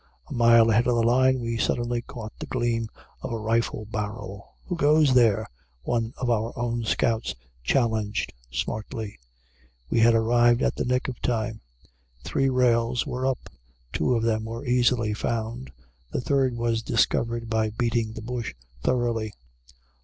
A mile ahead of the line we suddenly caught the gleam of a rifle barrel. "Who goes there?" one of our own scouts challenged smartly. We had arrived at the nick of time. Three rails were up. Two of them were easily found. The third was discovered by beating the bush thoroughly.